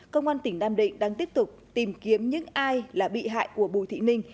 cơ quan tỉnh nam định đang tiếp tục tìm kiếm những ai là bị hại của bùi thị ninh